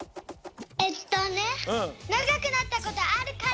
えっとねながくなったことあるから！